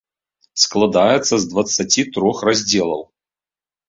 Складаецца з дваццаці трох раздзелаў.